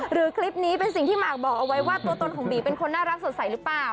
หรือคลิปนี้เป็นสิ่งที่หมากบอกเอาไว้ว่าตัวตนของบีเป็นคนน่ารักสดใสหรือเปล่า